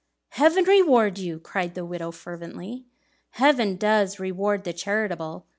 "Heaven reward you!" cried the widow, fervently. "Heaven does reward the charitable!"